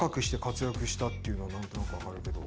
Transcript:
っていうのは何となく分かるけど。